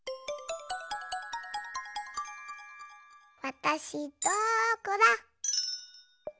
わたしどこだ？